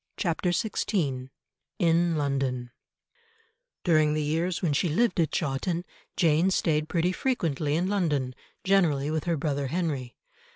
CHAPTER XVI IN LONDON During the years when she lived at Chawton, Jane stayed pretty frequently in London, generally with her brother Henry.